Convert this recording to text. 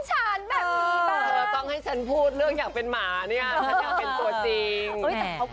แต่เขาก็เนี่ยดูดีดูน่ารัก